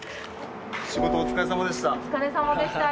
仕事お疲れさまでした。